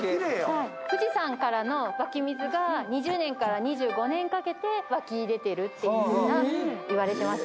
富士山からの湧き水が２０年から２５年かけて湧き出ていると言われています。